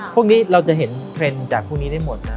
พวกนี้เราจะเห็นเทรนด์จากพวกนี้ได้หมดนะ